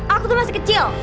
aku tuh masih kecil